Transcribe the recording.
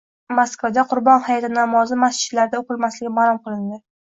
Moskvada Qurbon hayiti namozi masjidlarda o‘qilmasligi ma'lum qilindi